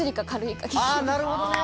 なるほどね！